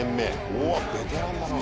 うわベテランだなあ。